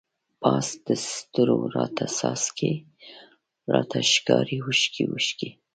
پاس د ستورو راڼه څاڅکی، راته ښکاری اوښکی اوښکی